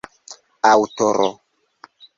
aŭtoro